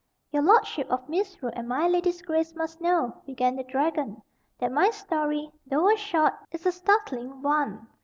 "Your lordship of Misrule and my lady's grace must know," began the dragon, "that my story, though a short, is a startling one.